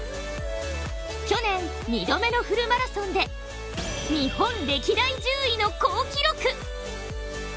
去年、２度目のフルマラソンで日本歴代１０位の好記録。